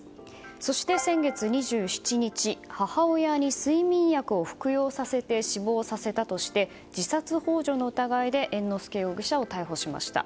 そして、先月２７日母親に睡眠薬を服用させて死亡させたとして自殺幇助の疑いで猿之助容疑者を逮捕しました。